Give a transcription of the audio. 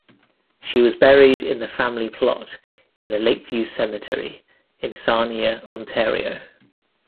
She was buried in the family plot in the Lakeview Cemetery in Sarnia, Ontario.